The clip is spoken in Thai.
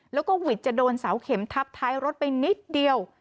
แล้วก็หวิดจะโดนเสาเข็มทับท้ายรถไปนิดเดียว